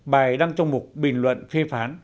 bài đăng trong mục bình luận khuyên phán